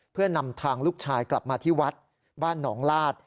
เพื่อนำทางลูกชายกลับมาที่วัดบ้านหนองลาด